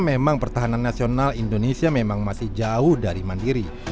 memang pertahanan nasional indonesia memang masih jauh dari mandiri